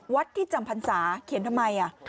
วัดที่จำพันษาเขียนทำไม